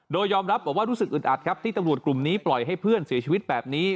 โดยยอมรับบอกว่ารู้สึกอึดอัดครับที่ตำรวจกลุ่มนี้ปล่อยให้เพื่อนเสียชีวิตแบบนี้